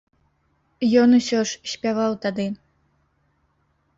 Ён усё ж спяваў тады.